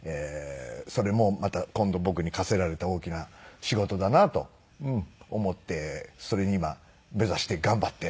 それもまた今度僕に課せられた大きな仕事だなと思ってそれ今目指して頑張って。